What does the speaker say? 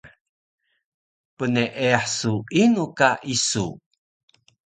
Pneeyah su inu ka isu?